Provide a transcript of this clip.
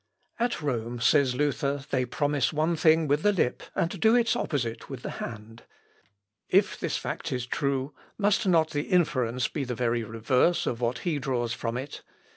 "At Rome," says Luther, "they promise one thing with the lip and do its opposite with the hand. If this fact is true, must not the inference be the very reverse of what he draws from it?